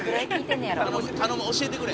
「頼む頼む教えてくれ！」